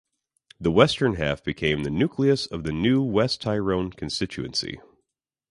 The western half became the nucleus of the new West Tyrone constituency.